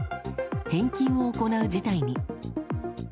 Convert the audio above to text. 返金を行う事態に。